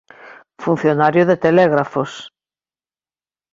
Funcionario de Telégrafos.